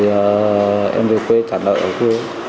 rồi em về quê trả đợi ở quê